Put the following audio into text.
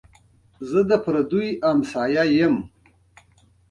علي او ساره په یوه کور کې دوه په دوه ژوند کوي